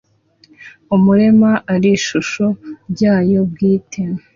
imurema ari ishusho ryayo bwite;